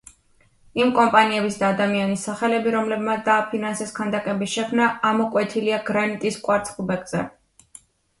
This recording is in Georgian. იმ კომპანიების და ადამიანის სახელები, რომლებმაც დააფინანსეს ქანდაკების შექმნა, ამოკვეთილია გრანიტის კვარცხლბეკზე.